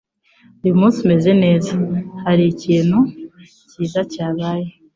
Uyu munsi, umeze neza. Hari ikintu cyiza cyabaye?